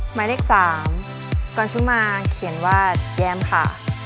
หมายเลข๓กรสุมาเขียนว่าแย้มค่ะ